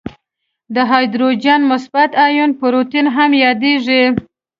د هایدروجن مثبت آیون پروتون هم یادیږي.